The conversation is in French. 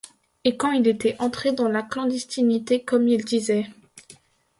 Et quand il était entré dans la clandestinité, comme il disait.